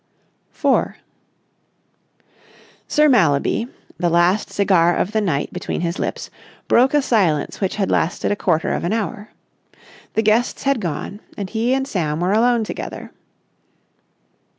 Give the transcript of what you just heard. § 4 Sir Mallaby, the last cigar of the night between his lips, broke a silence which had lasted a quarter of an hour. The guests had gone, and he and Sam were alone together.